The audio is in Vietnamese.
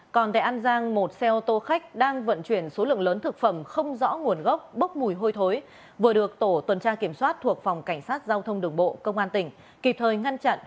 còn tại an giang một xe ô tô khách đang vận chuyển số lượng lớn thực phẩm không rõ nguồn gốc bốc mùi hôi thối vừa được tổ tuần tra kiểm soát thuộc phòng cảnh sát giao thông đường bộ công an tỉnh kịp thời ngăn chặn